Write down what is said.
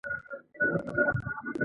د هغوی وېره دا وه.